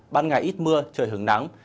ban ngày ít mưa trời hứng nắng